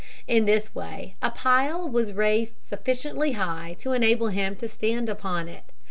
In this way a pile was raised sufficiently high to enable him to stand upon it.